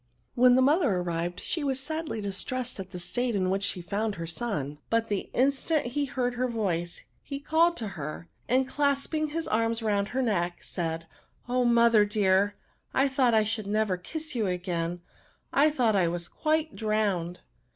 When the mother arrived she was sadlj distressed at the state in which she found her son. But the instant he heard her voice, he called to her ; and, clasping his arms round her neck, said, ^^ Oh, dear mother ! I thought I should never kiss you again ; I thought I was quite drowned."